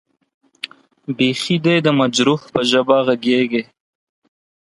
بېخي دې د مجروح به ژبه غږېږې.